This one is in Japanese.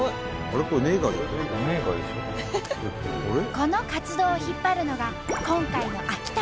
この活動を引っ張るのが今回の秋田ロコ